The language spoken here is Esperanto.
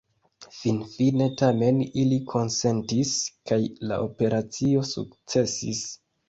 Finfine tamen ili konsentis, kaj la operacio sukcesis.